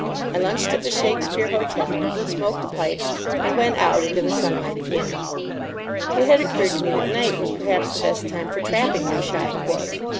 I lunched at the Shakespeare Hotel, smoked a pipe, and went out into the sunlight again. It had occurred to me that night was perhaps the best time for trapping my shy quarry.